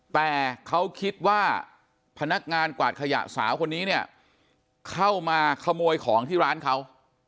แต่เขาคิดว่าพนักงานกวาดขยะสาวคนนี้เนี่ยเข้ามาขโมยของที่ร้านเขา